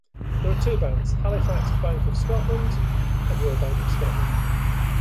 There are two banks, Halifax Bank of Scotland and Royal Bank of Scotland.